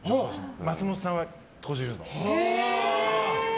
松本さんは閉じるの。